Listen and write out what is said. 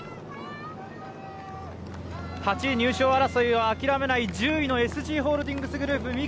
８位入賞争いを諦めない１０位のＳＧホールディングスグループ